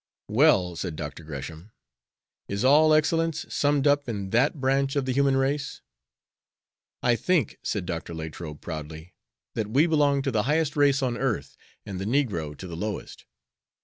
"Well," said Dr. Gresham, "is all excellence summed up in that branch of the human race?" "I think," said Dr. Latrobe, proudly, "that we belong to the highest race on earth and the negro to the lowest."